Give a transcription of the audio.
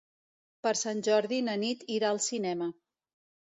Per Sant Jordi na Nit irà al cinema.